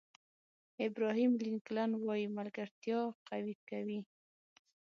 ابراهیم لینکلن وایي ملګرتیا قوي کوي.